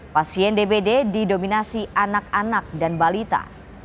pasien dbd didominasi anak anak dan balita